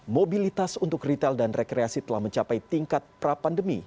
mobilitas untuk retail dan rekreasi telah mencapai tingkat pra pandemi